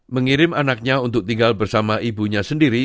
mengirim anaknya untuk tinggal bersama ibunya sendiri